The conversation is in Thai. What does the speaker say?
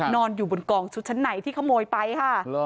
นอนอยู่บนกองชุดชั้นไหนที่ขโมยไปค่ะ